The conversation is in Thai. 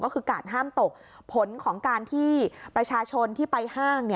ก็คือการห้ามตกผลของการที่ประชาชนที่ไปห้าง